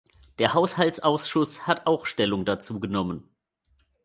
Der Haushaltsausschuss hat auch Stellung dazu genommen.